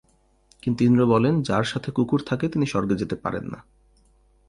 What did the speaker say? কিন্তু ইন্দ্র বলেন যাঁর সাথে কুকুর থাকে তিনি স্বর্গে যেতে পারেন না।